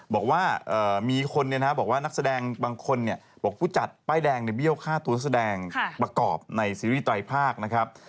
บอกว่ามีคนบอกว่านักแสดงบางคนบอกผู้จัดป้ายแดงในเบี้ยวค่าตัวแสดงประกอบในซีรีส์ไตรภาคนะครับ